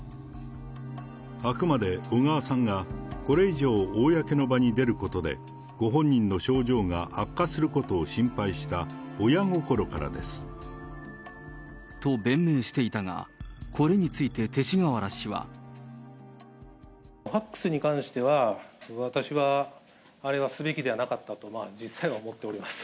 あくまで小川さんがこれ以上、公の場に出ることで、ご本人の症状が悪化することを心配した親心からです。と弁明していたが、ファックスに関しては、私はあれはすべきではなかったと、実際は思っております。